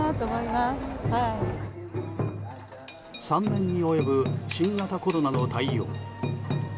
３年に及ぶ新型コロナの対応。